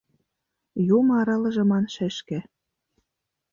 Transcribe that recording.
Юмо аралыже ман, шешке.